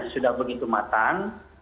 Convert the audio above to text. sudah begitu matang